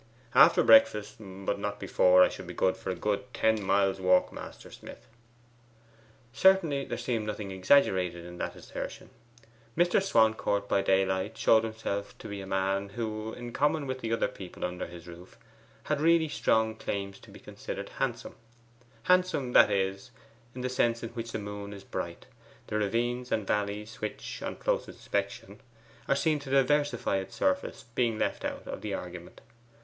After breakfast, but not before, I shall be good for a ten miles' walk, Master Smith.' Certainly there seemed nothing exaggerated in that assertion. Mr. Swancourt by daylight showed himself to be a man who, in common with the other two people under his roof, had really strong claims to be considered handsome, handsome, that is, in the sense in which the moon is bright: the ravines and valleys which, on a close inspection, are seen to diversify its surface being left out of the argument.